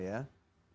di luar jabodetabek